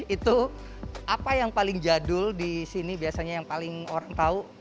itu apa yang paling jadul di sini biasanya yang paling orang tahu